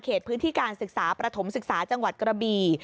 พื้นที่การศึกษาประถมศึกษาจังหวัดกระบี่